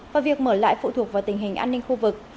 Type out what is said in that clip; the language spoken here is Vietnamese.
và việc mở lại phụ thuộc vào tình hình an ninh khu vực